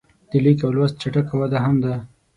د لیک او لوست چټکه وده هم ده.